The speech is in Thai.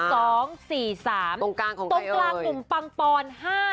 ตรงกลางของใครเอ่ยตรงกลางกลุ่มปังปอน๕๒๔